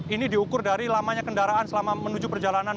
ini diukur dari lamanya kendaraan selama menuju perjalanan